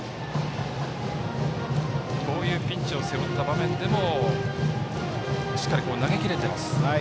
こういうピンチを背負った場面でもしっかり投げ切れています。